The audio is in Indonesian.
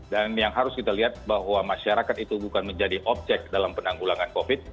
dan yang harus kita lihat bahwa masyarakat itu bukan menjadi objek dalam penanggulangan covid